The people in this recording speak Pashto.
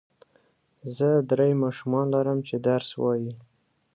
زه درې ماشومان لرم چې درس وايي.